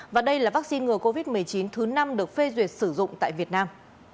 và đây là vaccine ngừa covid một mươi chín thứ năm được phê duyệt sử dụng tại việt nam